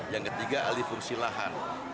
yang ketiga alih fungsi lahan